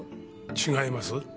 違います？